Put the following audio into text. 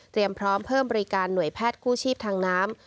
พร้อมเพิ่มบริการหน่วยแพทย์กู้ชีพทางน้ำ